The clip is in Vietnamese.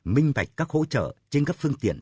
minh bạch các hỗ trợ trên các phương tiện